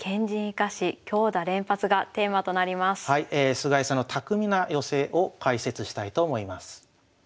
菅井さんの巧みな寄せを解説したいと思います。